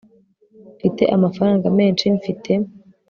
mfite amafaranga menshi mfite